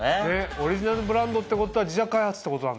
オリジナルブランドってことは自社開発ってことなんでしょう？